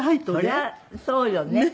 それはそうよね。